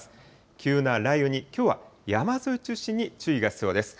急な雷雨にきょうは山沿いを中心に注意が必要です。